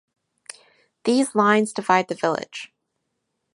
These lines divide the village.